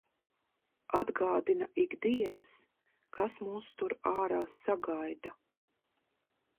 Atgādina ik dienas, kas mūs tur ārā sagaida.